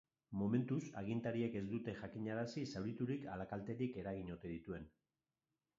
Momentuz, agintariek ez dute jakinarazi zauriturik ala kalterik eragin ote dituen.